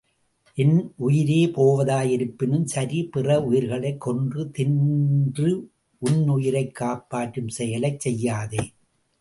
உன் உயிரே போவதாய் இருப்பினும் சரி, பிற உயிர்களை கொன்று தின்று உன் உயிரைக் காப்பாற்றும் செயலைச் செய்யாதே.